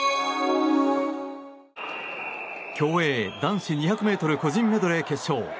競泳男子２００ｍ個人メドレー決勝。